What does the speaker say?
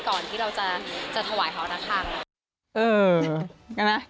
ก่อนที่เราจะถวายเขาหน้าข้าง